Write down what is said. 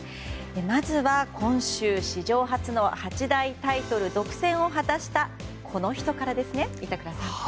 まずは今週史上初の八大タイトル独占を果たしたこの人からですね、板倉さん。